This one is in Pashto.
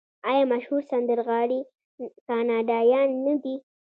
آیا مشهور سندرغاړي کاناډایان نه دي؟